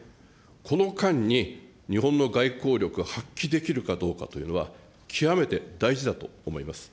この間に、日本の外交力、発揮できるかどうかというのは、極めて大事だと思います。